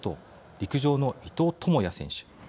陸上の伊藤智也選手。